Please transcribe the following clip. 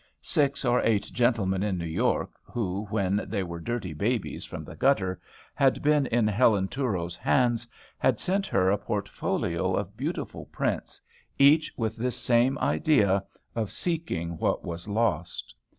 Six or eight gentlemen in New York, who, when they were dirty babies from the gutter, had been in Helen Touro's hands, had sent her a portfolio of beautiful prints, each with this same idea, of seeking what was lost.